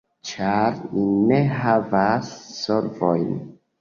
Ĉar ni ne havas solvojn.